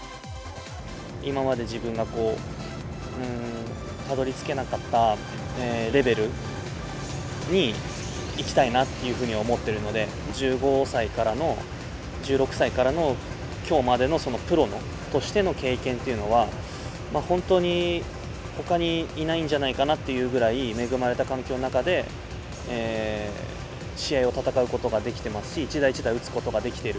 今まで自分がたどりつけなかったレベルに行きたいなっていうふうには思ってるので、１５歳からの、１６歳からの、きょうまでのそのプロとしての経験というのは、本当にほかにいないんじゃないかなってぐらい、恵まれた環境の中で、試合を戦うことができてますし、一打一打打つことができてる。